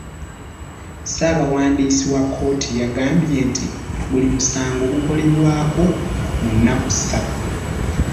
Ssaabawandiisi wa kkooti yagambye nti buli musango gukolebwako mu nnaku ssatu.